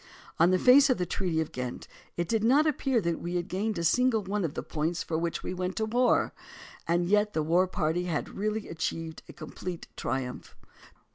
On the face of the Treaty of Ghent it did not appear that we had gained a single one of the points for which we went to war, and yet the war party had really achieved a complete triumph.